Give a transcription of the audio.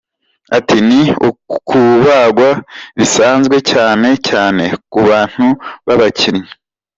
Ati: “ni ukubagwa bisanzwe cyane cyane ku bantu b’abakinnyi”.